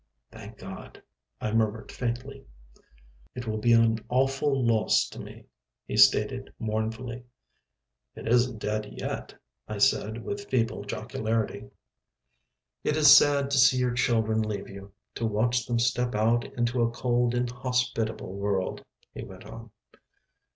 "Thank God," I murmured faintly. "It will be an awful loss to me," he stated mournfully. "It isn't dead yet," I said with feeble jocularity. "It is sad to see your children leave you. To watch them step out into a cold, inhospitable world," he went on.